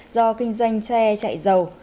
do kinh doanh xe chạy dầu